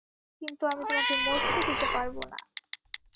কিন্তু আমি তোমাকে মরতে দিতে পারবোনা।